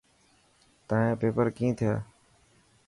تايان پيپر ڪين ٿيا؟